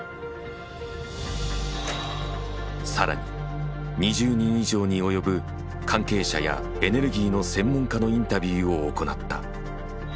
さらに２０人以上に及ぶ関係者やエネルギーの専門家のインタビューを行った。